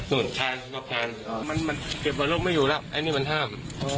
นู่นทานถูกที่กางมันเก็บวันโรคไม่อยู่หรอกไอ้นี่มันห้าม